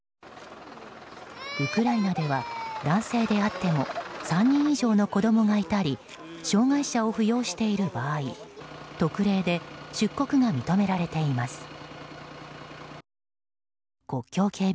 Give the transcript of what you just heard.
ウクライナでは、男性であっても３人以上の子供がいたり障害者を扶養している場合特例で出国が認められています。